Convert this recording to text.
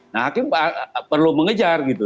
nah hakim perlu mengejar gitu